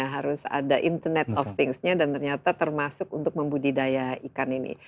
terus ada internet of things nya dan ternyata termasuk untuk membudidaya ikan ini